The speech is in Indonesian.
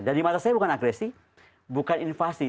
dan di mata saya bukan agresi bukan invasi